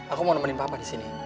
aku mau nemenin papa disini